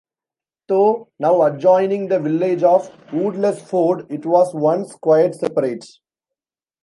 Though now adjoining the village of Woodlesford, it was once quite separate.